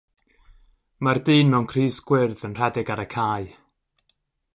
Mae'r dyn mewn crys gwyrdd yn rhedeg ar y cae.